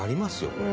これ。